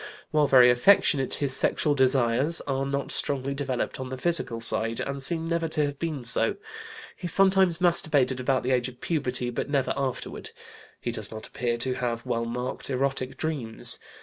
While very affectionate, his sexual desires are not strongly developed on the physical side, and seem never to have been so. He sometimes masturbated about the age of puberty, but never afterward. He does not appear to have well marked erotic dreams.